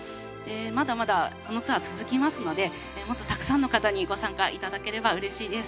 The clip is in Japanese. まだまだこのツアー続きますのでもっとたくさんの方にご参加いただければうれしいです。